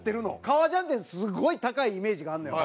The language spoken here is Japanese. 革ジャンってすごい高いイメージがあるのよ